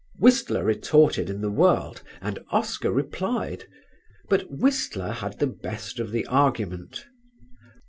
Whistler retorted in The World and Oscar replied, but Whistler had the best of the argument....